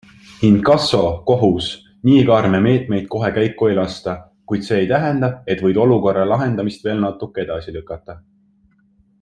Inkasso, kohus - nii karme meetmeid kohe käiku ei lasta, kuid see ei tähenda, et võid olukorra lahendamist veel natuke edasi lükata.